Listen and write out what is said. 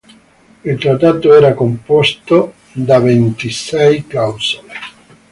Il trattato era composto da ventisei clausole.